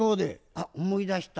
あっ思い出した。